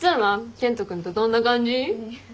健人君とどんな感じ？